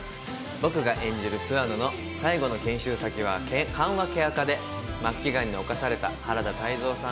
僕が演じる諏訪野の最後の研修先は緩和ケア科で、末期がんに侵された原田泰造さん